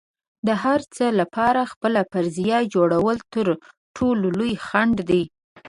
د هر څه لپاره خپله فرضیه جوړول تر ټولو لوی خنډ دی.